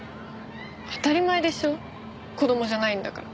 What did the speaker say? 当たり前でしょ子供じゃないんだから。